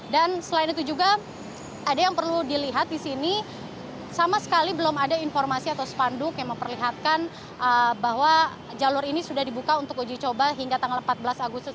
dan selain itu juga ada yang perlu dilihat di sini sama sekali belum ada informasi atau spanduk yang memperlihatkan bahwa jalur ini sudah dibuka untuk uji coba hingga tanggal empat belas agustus